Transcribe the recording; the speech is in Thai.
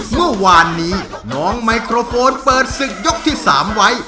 เมื่อวานนี้น้องไมโครโฟนเปิดศึกยกที่๓ไว้